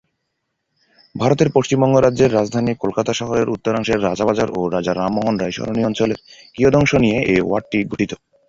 ভারতের পশ্চিমবঙ্গ রাজ্যের রাজধানী কলকাতা শহরের উত্তরাংশে রাজাবাজার ও রাজা রামমোহন রায় সরণি অঞ্চলের কিয়দংশ নিয়ে এই ওয়ার্ডটি গঠিত।